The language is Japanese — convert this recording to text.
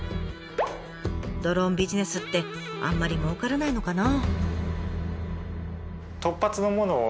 ドローンビジネスってあんまりもうからないのかな？